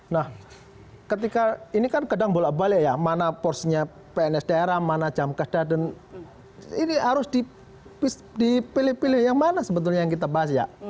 nah ketika ini kan kadang bolak balik ya mana porsinya pns daerah mana jam keda dan ini harus dipilih pilih yang mana sebetulnya yang kita bahas ya